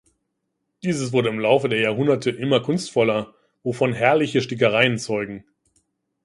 Dieses wurde im Laufe der Jahrhunderte immer kunstvoller, wovon herrliche Stickereien zeugen.